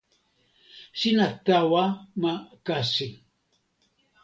sina tawa ma kasi